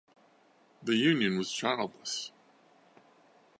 The union was childless.